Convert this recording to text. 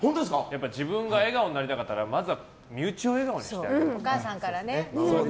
自分が笑顔になりたかったらまずは身内を笑顔にしてあげないとね。